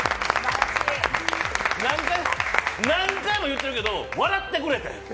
何回も言ってるけど、笑ってくれ。